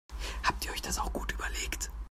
Habt ihr euch das auch gut überlegt?